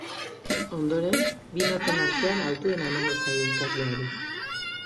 Ondoren, bi noten artean altuena emango zaio ikasleari.